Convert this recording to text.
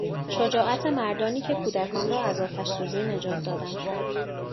شجاعت مردانی که کودکان را از آتش سوزی نجات دادند